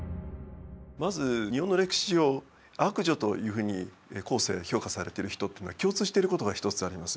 まず日本の歴史上悪女というふうに後世評価されてる人っていうのは共通してることが一つあります。